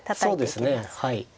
そうですねはい。